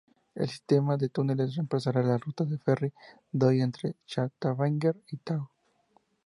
El sistema de túneles reemplazará ruta de ferry de hoy entre Stavanger y Tau.